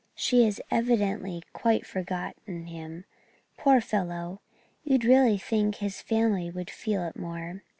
She has evidently quite forgotten him. Poor fellow you'd really think his family would feel it more.